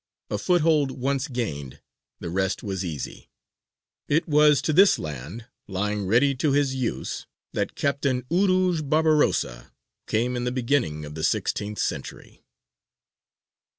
A foothold once gained, the rest was easy. It was to this land, lying ready to his use, that Captain Urūj Barbarossa came in the beginning of the sixteenth century.